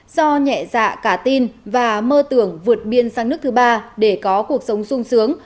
do nhẹ dạ cả tin và mơ tưởng vượt biên sang nước thứ ba để có cuộc sống sung sướng